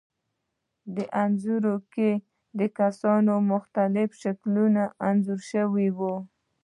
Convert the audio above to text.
انځورونو کې کسان په مختلفو شکلونو انځور شوي وو.